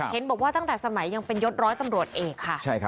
เห็นบอกว่าตั้งแต่สมัยยังเป็นยศร้อยตำรวจเอกค่ะ